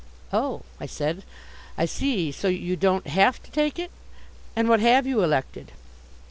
"Oh," I said, "I see. So you don't have to take it. And what have you elected?"